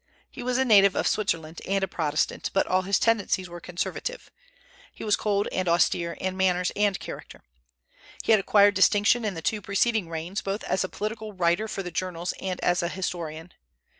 He was a native of Switzerland, and a Protestant; but all his tendencies were conservative. He was cold and austere in manners and character. He had acquired distinction in the two preceding reigns, both as a political writer for the journals and as a historian.